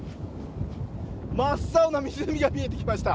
真っ青な湖が見えてきました。